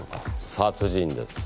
殺人です。